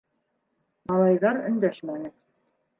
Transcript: Малайҙар өндәшмәне.